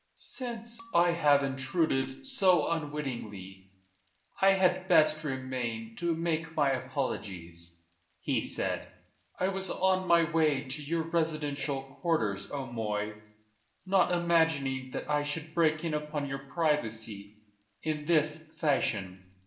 "Since I have intruded so unwittingly, I had best remain to make my apologies," he said. "I was on my way to your residential quarters, O'Moy, not imagining that I should break in upon your privacy in this fashion."